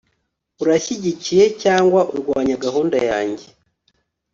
urashyigikiye cyangwa urwanya gahunda yanjye